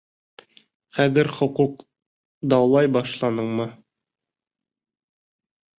Хәҙер хоҡуҡ даулай башланыңмы?